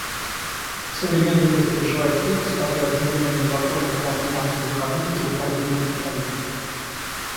Современный мир переживает кризис, который одновременно затронул координацию в экономике, управлении и политике.